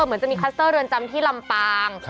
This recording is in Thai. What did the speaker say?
เหมือนจะมีคัสเตอร์เรือนจำที่ลำปาง